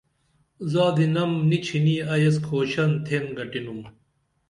زادی نم نی چِھنی ائی ایس کھوشن تھین گٹِنُم